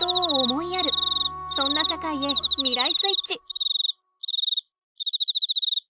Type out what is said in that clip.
そんな社会へ「未来スイッチ」！